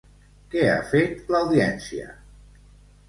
Què ha fet l'Audiència?